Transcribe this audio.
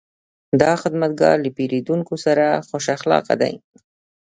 دا خدمتګر له پیرودونکو سره خوش اخلاقه دی.